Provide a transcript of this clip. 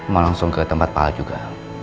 mau langsung ke tempat pak al juga